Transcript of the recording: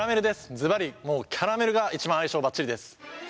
ずばりもうキャラメルが一番相性ばっちりです。